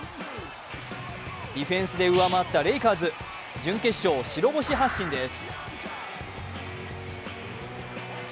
ディフェンスで上回ったレイカーズ、準決勝白星発進です。